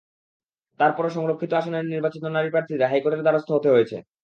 তার পরও সংরক্ষিত আসনের নির্বাচিত নারী প্রার্থীদের হাইকোর্টের দ্বারস্থ হতে হয়েছে।